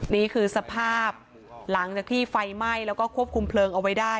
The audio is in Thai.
นี่คือสภาพหลังจากที่ไฟไหม้แล้วก็ควบคุมเพลิงเอาไว้ได้